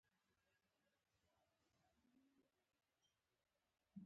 شجاع الدوله د روهیله پښتنو تفاهم طرفدار نه وو.